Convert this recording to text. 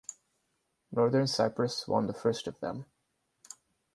Northern Cyprus won the first of them.